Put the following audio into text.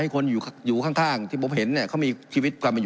ให้คนอยู่อยู่ข้างที่ผมเห็นเนี้ยเขามีชีวิตการมี